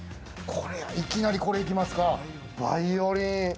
いきなりこれ行きますか、バイオリン。